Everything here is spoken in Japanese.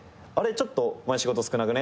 ちょっとお前仕事少なくね？